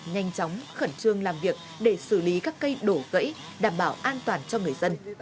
nhanh chóng khẩn trương làm việc để xử lý các cây đổ gãy đảm bảo an toàn cho người dân